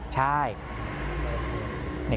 ใช่